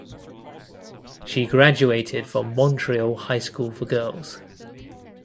She graduated from Montreal High School for Girls.